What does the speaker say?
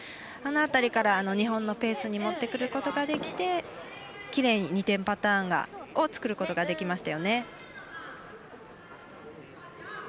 あの辺りから、日本のペースに持ってくることができてきれいに２点パターンを作ることができましたよね。